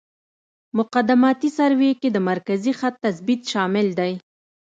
مقدماتي سروې کې د مرکزي خط تثبیت شامل دی